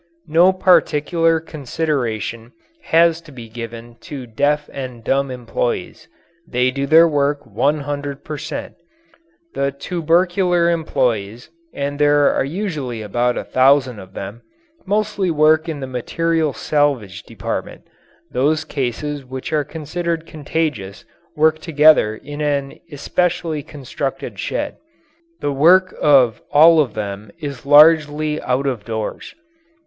No particular consideration has to be given to deaf and dumb employees. They do their work one hundred per cent. The tubercular employees and there are usually about a thousand of them mostly work in the material salvage department. Those cases which are considered contagious work together in an especially constructed shed. The work of all of them is largely out of doors.